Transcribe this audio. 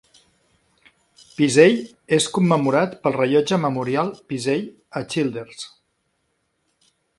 Pizzey és commemorat pel Rellotge Memorial Pizzey a Childers.